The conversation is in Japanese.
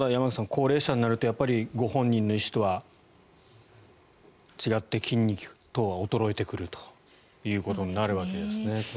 高齢者になるとやっぱりご本人の意思とは違って筋肉等は衰えてくるということになるわけですね。